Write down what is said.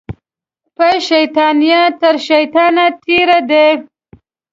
په شیطانیه تر شیطانه تېرې دي